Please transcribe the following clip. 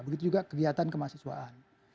begitu juga kegiatan kemahasiswaan